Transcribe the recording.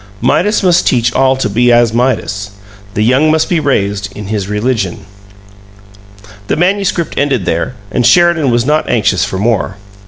Midas must teach all to be as Midas; the young must be raised in his religion The manuscript ended there, and Sheridan was not anxious for more.